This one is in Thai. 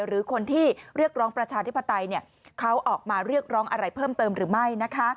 หรือคนที่เรียกร้องประชาธิปไตยเขาออกมาเรียกร้องอะไรเพิ่มเติมหรือไม่